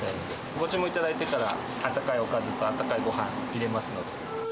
ご注文いただいてから、あったかいおかずと、あったかいごはん、入れますので。